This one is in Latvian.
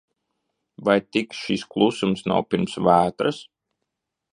Vai tik šis klusums nav pirms vētras?